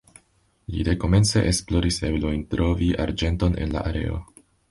Li dekomence esploris eblojn trovi arĝenton en la areo.